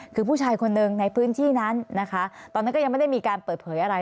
คือผู้ชายคนหนึ่งในพื้นที่นั้นนะคะตอนนั้นก็ยังไม่ได้มีการเปิดเผยอะไร